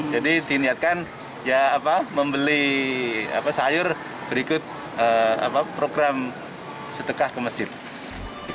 jadi dinyatakan membeli sayur berikut program setekah ke masjid